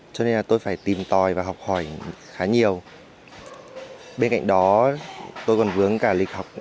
cho nên là tôi phải tìm tòi và học hỏi khá nhiều bên cạnh đó tôi còn vướng cả lịch học ở trên lớp